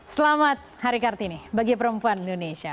selamat hari kartini bagi perempuan indonesia